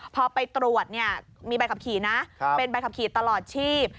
พอไปตรวจมีใบขับขี่นะเป็นใบขับขี่ตลอดชีพ